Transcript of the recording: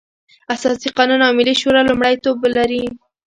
اساسي قانون او ملي شورا لومړيتوب ولري.